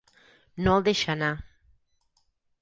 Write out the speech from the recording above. No el deixa anar.